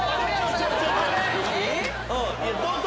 ⁉ちょっと！